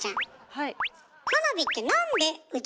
はい。